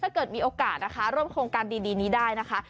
ถ้าเกิดมีโอกาสนะคะร่วมโครงการดีนี้ได้นะคะ